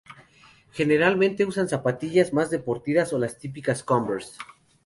Generalmente usan zapatillas más deportivas o las típicas converse.